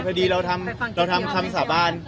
พอดีเราทำคำสาบาน